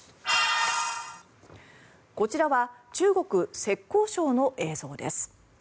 こちらは中国・浙江省の映像です。